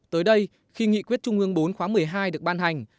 tới đây khi nghị quyết trung ương bốn khóa một mươi hai được bàn